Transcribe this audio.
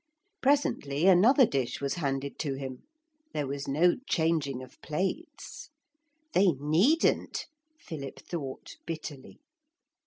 Presently another dish was handed to him. There was no changing of plates. 'They needn't,' Philip thought bitterly.